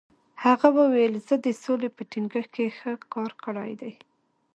هغه وویل، زه د سولې په ټینګښت کې ښه کار کړی دی.